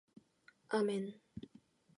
아멘.